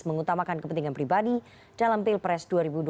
mengutamakan kepentingan pribadi dalam pilpres dua ribu dua puluh